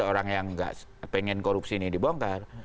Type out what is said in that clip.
orang yang nggak pengen korupsi ini dibongkar